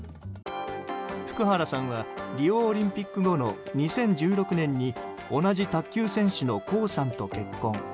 福原さんはリオオリンピック後の２０１６年に同じ卓球選手の江さんと結婚。